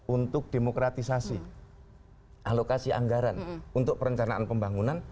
untuk demokratisasi alokasi anggaran untuk perencanaan pembangunan